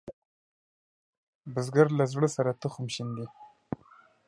بزګر له زړۀ سره تخم شیندي